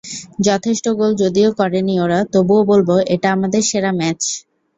যথেষ্ট গোল যদিও করেনি ওরা, তবুও বলব এটা আমাদের সেরা ম্যাচ।